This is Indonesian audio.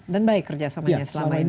dan baik kerjasamanya selama ini